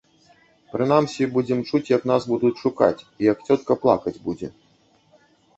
Прынамсі, будзем чуць, як нас будуць шукаць і як цётка плакаць будзе.